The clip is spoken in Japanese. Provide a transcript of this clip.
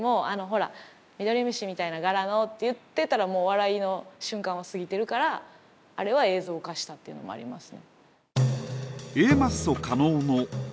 「ほらミドリムシみたいな柄の」って言ってたらもう笑いの瞬間は過ぎてるからあれは映像化したっていうのもありますね。